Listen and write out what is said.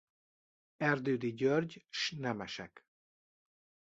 Erdődy György s nemesek.